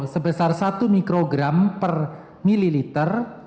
sebesar satu microgram per milliliter